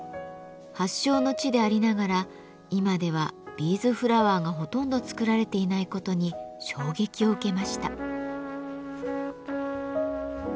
発祥の地でありながら今ではビーズフラワーがほとんど作られていないことに衝撃を受けました。